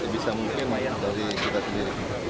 bisa mungkin mayat dari kita sendiri